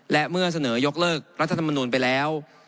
และเมื่อเสนอยกเลิกรัฐธรรมนูลไปแล้ว